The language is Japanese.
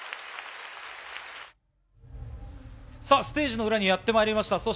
ステージの裏にやってまいりました。